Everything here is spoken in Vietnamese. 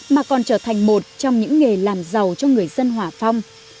mà còn trở thành một trong những nghề làm giàu cho người dân hòa phong